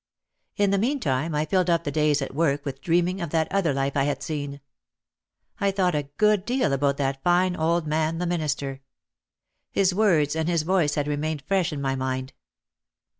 In the meantime I filled up the days at work with dreaming of that other life I had seen. I thought a good deal about that fine old man the minister. His words and his voice had remained fresh in my mind.